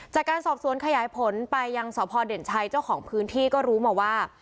จากการสอบสวนขยายผลไปยังสพเด่นชัยเจ้าของพื้นที่ก็รู้มาว่า